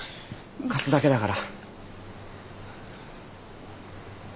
貸すだけだから。